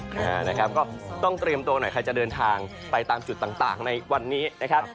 นะครับก็ต้องเตรียมตัวหน่อยใครจะเดินทางไปตามจุดต่างในวันนี้นะครับ